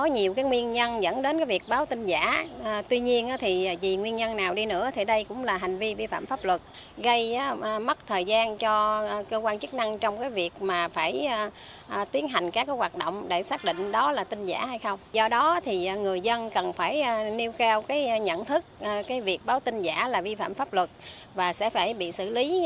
nhiều người vẫn không biết đây là những vụ việc báo tin giả gây đến những thông tin trái chiều không đúng sự thật